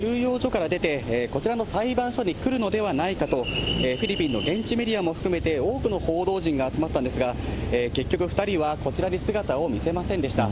こちらの裁判所で、その審理が午前９時半から始まったんですが、２人が収容所から出て、こちらの裁判所に来るのではないかと、フィリピンの現地メディアも含めて、多くの報道陣が集まったんですが、結局、２人はこちらに姿を見せませんでした。